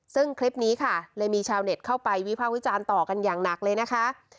ซึ่งคลิปนี้ค่ะเลยมีชาวเน็ตเข้าไปวิภาควิจารณ์ต่อกันอย่างหนักเลยนะคะ